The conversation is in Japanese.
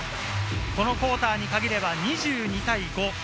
このクオーターに限れば２２対５。